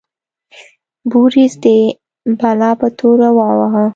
بوریس د بلا په توره وواهه.